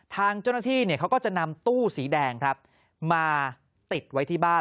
ทางเจ้าหน้าที่เขาก็จะนำตู้สีแดงครับมาติดไว้ที่บ้าน